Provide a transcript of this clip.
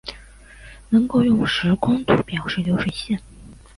能够用时空图表达流水线